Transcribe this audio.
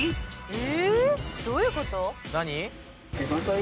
え！